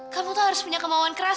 kamu tuh harus punya kemauan keras